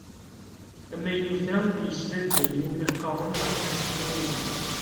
Amaynut-a yeslal-d ayen i wumi qqaren asefru ilelli.